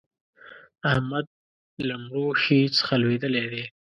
احمد له مړوښې څخه لوېدلی دی.